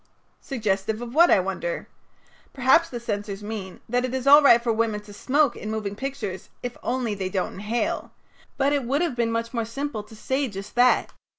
Suggestive of what, I wonder? Perhaps the censors mean that it is all right for women to smoke in moving pictures if only they don't inhale, but it would have been much more simple to have said just that.